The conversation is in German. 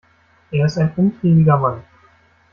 Er ist ein umtriebiger Mann.